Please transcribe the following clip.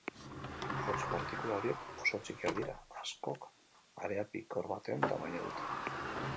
Hauts partikula horiek oso txikiak dira, askok harea-pikor baten tamaina dute.